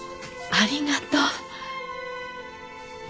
ありがとう！